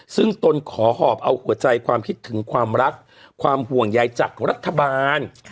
ซึ่งตนขอหอบเอาหัวใจความคิดถึงความรักความห่วงใยจากรัฐบาล